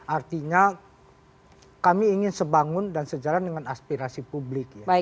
artinya kami ingin sebangun dan sejalan dengan aspirasi publik